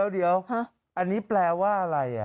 เดี๋ยวอันนี้แปลว่าอะไร